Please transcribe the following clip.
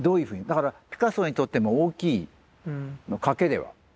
だからピカソにとっても大きい賭けでは。